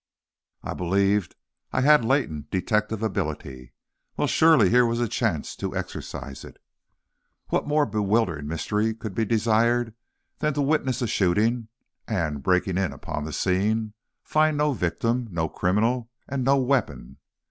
I believed I had latent detective ability. Well, surely here was a chance to exercise it! What more bewildering mystery could be desired than to witness a shooting, and, breaking in upon the scene, to find no victim, no criminal, and no weapon!